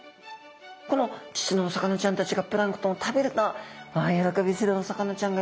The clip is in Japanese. このちっちゃなお魚ちゃんたちがプランクトンを食べると大喜びするお魚ちゃんがいます。